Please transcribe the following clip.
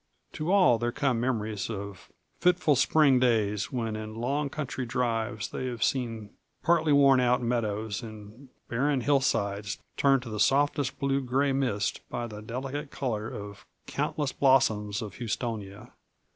To all there come memories of fitful spring days when in long country drives they have seen partly worn out meadows and barren hillsides turned to the softest blue gray mist by the delicate color of countless blossoms of houstonia.